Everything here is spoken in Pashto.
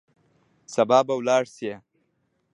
سبا به ولاړ سئ.